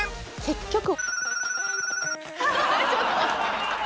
結局。